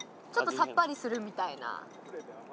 ちょっとさっぱりするみたいな。